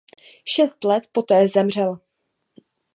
Šest let poté zemřel.